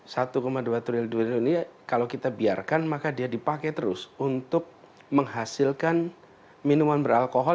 satu dua triliun ini kalau kita biarkan maka dia dipakai terus untuk menghasilkan minuman beralkohol